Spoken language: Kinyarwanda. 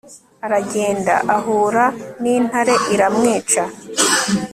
Aragenda ahura nintare iramwica